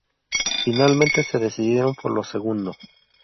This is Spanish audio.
Finalmente se decidieron por lo segundo.